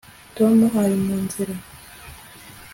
Tom ari mu nzira